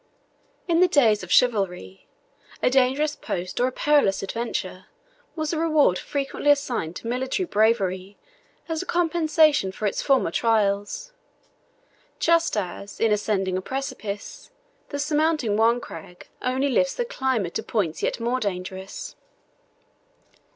In the days of chivalry, a dangerous post or a perilous adventure was a reward frequently assigned to military bravery as a compensation for its former trials; just as, in ascending a precipice, the surmounting one crag only lifts the climber to points yet more dangerous.